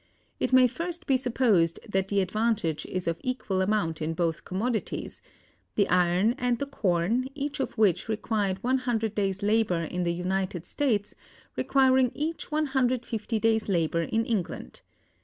It may first be supposed that the advantage is of equal amount in both commodities; the iron and the corn, each of which required 100 days' labor in the United States, requiring each 150 days' labor in England.